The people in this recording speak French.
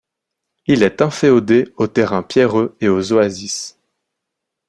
Il est inféodé aux terrains pierreux et aux oasis.